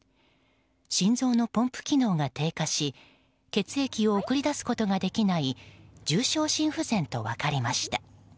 心臓のポンプ機能が低下し血液を送り出すことができない重症心不全と分かりました。